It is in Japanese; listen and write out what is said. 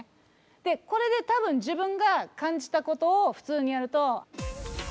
でこれで多分自分が感じたことを普通にやると。